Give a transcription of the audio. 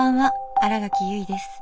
新垣結衣です。